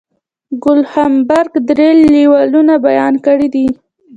کوهلبرګ درې لیولونه بیان کړي دي.